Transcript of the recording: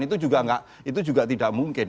itu juga tidak mungkin